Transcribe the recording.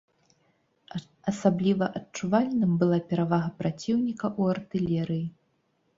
Асабліва адчувальным была перавага праціўніка ў артылерыі.